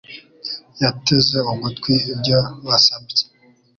Yateze ugutwi ibyo basabye.